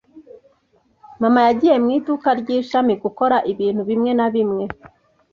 Mama yagiye mu iduka ry’ishami gukora ibintu bimwe na bimwe.